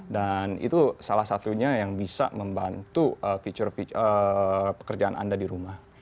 dan itu salah satunya yang bisa membantu pekerjaan anda di rumah